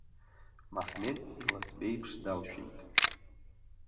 Маҳмед иласбеиԥш далшәеит.